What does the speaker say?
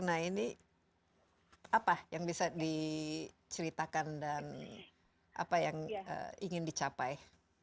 nah ini apa yang bisa diceritakan dan apa yang ingin dicapai